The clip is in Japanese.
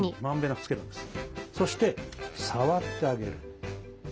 そして触ってあげる。